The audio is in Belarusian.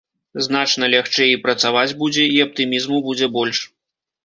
Значна лягчэй і працаваць будзе, і аптымізму будзе больш.